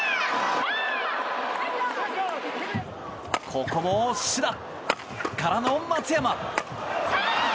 ここも志田からの松山。